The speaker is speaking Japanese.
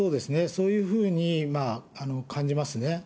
そういうふうに感じますね。